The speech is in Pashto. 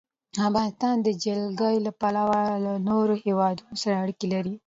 افغانستان د جلګه له پلوه له نورو هېوادونو سره اړیکې لري.